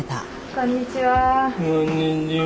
こんにちは。